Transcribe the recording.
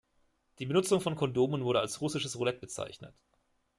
Die Benutzung von Kondomen wurde als Russisches Roulette bezeichnet.